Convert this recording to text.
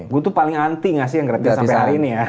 gue tuh paling anti ngasih yang gratis sampai hari ini ya